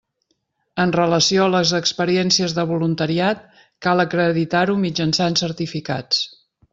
En relació a les experiències de voluntariat cal acreditar-ho mitjançant certificats.